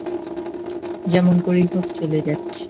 যেমন করেই হোক চলে যাচ্ছে।